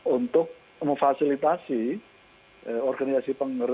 untuk memfasilitasi organisasi penggerak